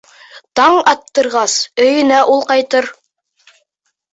Таң аттырғас, өйөнә ул ҡайтыр.